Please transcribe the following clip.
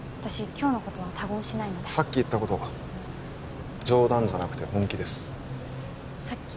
今日のことは他言しないのでさっき言ったこと冗談じゃなくて本気ですさっき？